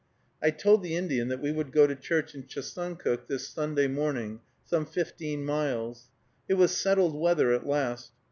I told the Indian that we would go to church to Chesuncook this (Sunday) morning, some fifteen miles. It was settled weather at last.